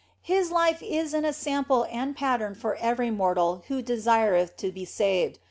His life is an ensample and a pattern for every mortal who desireth to be saved.